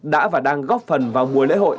đã và đang góp phần vào mùa lễ hội